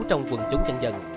trong quần chúng dân dân